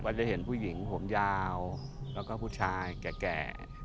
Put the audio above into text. วันได้เห็นผู้หญิงห่มยาวและผู้ชายแก่